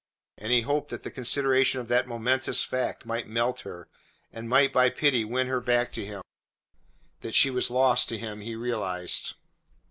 And he hoped that the consideration of that momentous fact might melt her, and might by pity win her back to him that she was lost to him he realized.